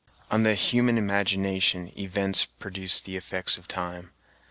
On the human imagination events produce the effects of time.